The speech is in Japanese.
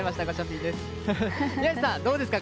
宮司さん、どうですか？